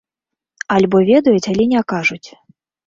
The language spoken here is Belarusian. Альбо ведаюць, але не кажуць.